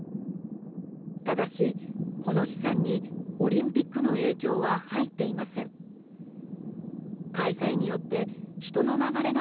ただし、この試算にオリンピックの影響は入っていません。